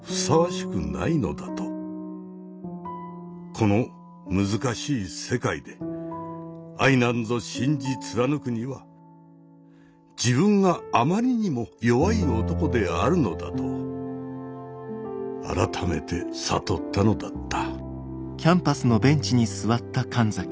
この難しい世界で愛なんぞ信じ貫くには自分があまりにも弱い男であるのだと改めて悟ったのだった。